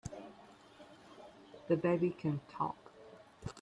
The baby can TALK!